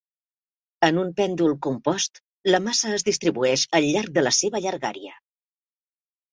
En un pèndol compost, la massa es distribueix al llarg de la seva llargària.